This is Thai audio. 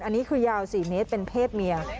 อันนี้คือยาว๔เมตรเป็นเพศเมีย